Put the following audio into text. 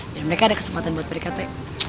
biar mereka ada kesempatan buat berdekat we